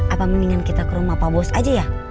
apa mendingan kita ke rumah pak bos aja ya